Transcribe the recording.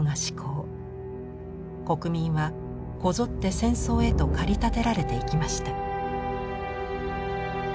国民はこぞって戦争へと駆り立てられていきました。